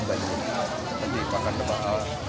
banjir jadi bahkan kebawah